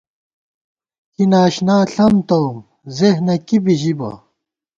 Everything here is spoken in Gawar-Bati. کی ناشنا ݪم تَوُم ، ذِہنہ کی بی ژِبہ